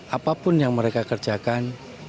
apapun yang mereka kerjakan